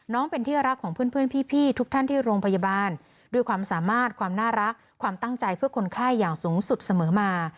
เป็นที่รักของเพื่อนพี่ทุกท่านที่โรงพยาบาลด้วยความสามารถความน่ารักความตั้งใจเพื่อคนไข้อย่างสูงสุดเสมอมา